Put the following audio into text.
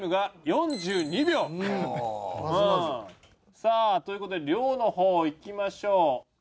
さあという事で量の方いきましょう。